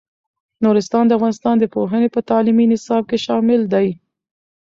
نورستان د افغانستان د پوهنې په تعلیمي نصاب کې شامل دی.